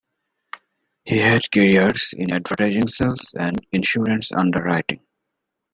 He had careers in advertising sales and insurance underwriting.